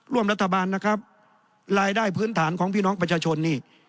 ร่วมรัฐบาลนะครับรายได้พื้นฐานของพี่น้องประชาชนนี่